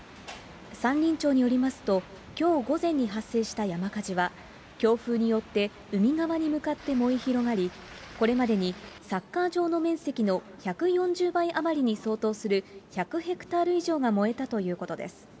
山林庁によりますと、きょう午前に発生した山火事は、強風によって海側に向かって燃え広がり、これまでにサッカー場の面積の１４０倍余りに相当する１００ヘクタール以上が燃えたということです。